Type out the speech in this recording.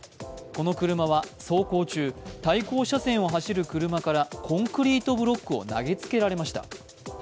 この車は走行中、対向車線を走る車からコンクリートブロックを投げつけられました。